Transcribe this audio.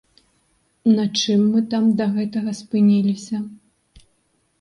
На чым мы там да гэтага спыніліся?